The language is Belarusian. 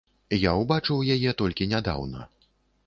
Я ўбачыў яе толькі нядаўна.